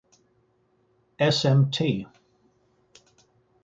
Smt.